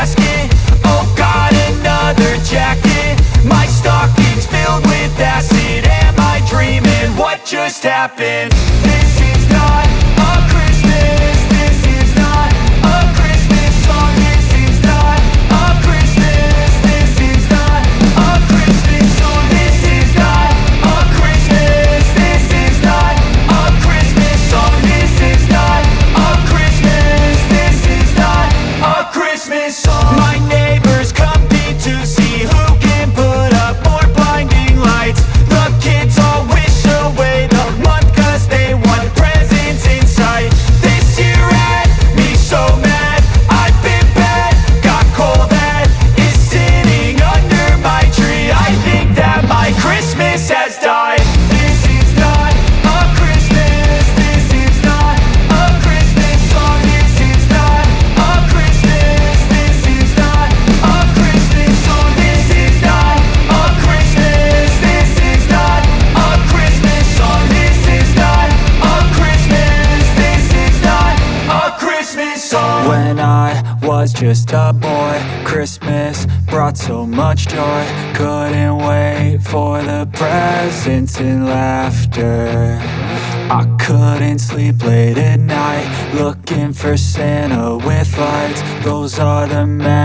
saya alhamdulillah mas keadaannya bu mimi semakin membaik alhamdulillah kalau gitu ibunya ada ada